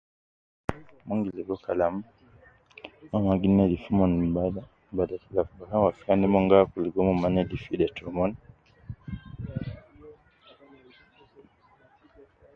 Umon bi logo kalam, umon mma ginedif umon min baada . Baada umon tala fi bakan al waskan de , umon gi akulu logo umon mma gi nedifu ida to umon.